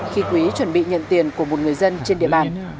khi quý chuẩn bị nhận tiền của một người dân trên địa bàn